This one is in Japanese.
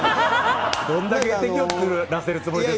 どんだけ敵を作らせるつもりです